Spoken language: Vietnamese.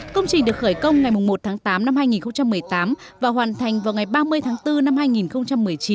công trình được khởi công ngày một tháng tám năm hai nghìn một mươi tám và hoàn thành vào ngày ba mươi tháng bốn năm hai nghìn một mươi chín